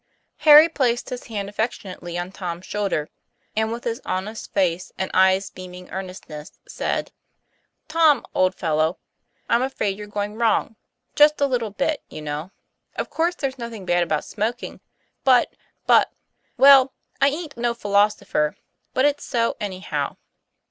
Harry placed his hand affectionately on Tom's shoulder, and with his honest face and eyes beaming earnestness, said: 'Tom, old fellow, I'm afraid you're going wrong just a little bit, you know. Of course there's nothing bad about smoking but but well, I aint no philosopher, but it's so anyhow."